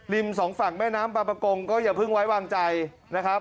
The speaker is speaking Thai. ริม๒ฝั่งแม่น้ำปราปกงก็อย่าพึ่งไว้วางใจนะครับ